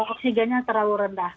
oksigennya terlalu rendah